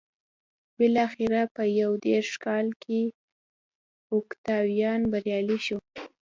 بلاخره په یو دېرش کال کې اوکتاویان بریالی شو